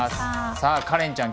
さあカレンちゃん